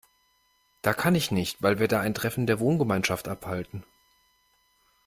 Da kann ich nicht, weil wir da ein Treffen der Wohngemeinschaft abhalten.